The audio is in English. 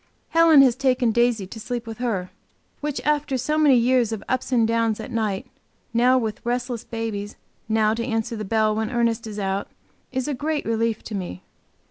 Helen has taken Daisy to sleep with her, which after so many years of ups and downs at night, now with restless babies, now to answer the bell when Ernest is out, is a great relief to me.